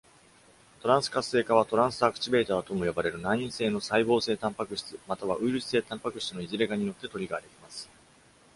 トランス活性化は、トランスアクチベーターとも呼ばれる内因性の細胞性タンパク質またはウイルス性タンパク質のいずれかによってトリガーできます。